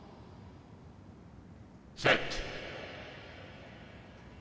「セット」。